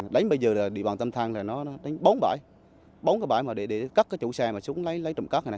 lấy bây giờ là địa bàn tam thăng là nó đến bốn bãi bốn cái bãi mà để cắt cái chủ xe mà xuống lấy trụng cắt này này